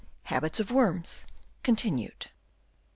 habits of worms — continued.